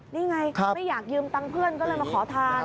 นี่ไงไม่อยากยืมตังค์เพื่อนก็เลยมาขอทาน